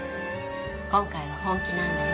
今回は本気なんだね。